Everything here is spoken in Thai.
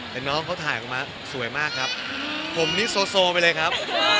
แต่น้องน่าก็ถ่ายมาสวยมากครับ